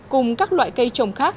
cùng các loại cây trồng khác